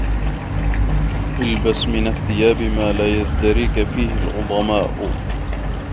الْبَسْ مِنْ الثِّيَابِ مَا لَا يَزْدَرِيك فِيهِ الْعُظَمَاءُ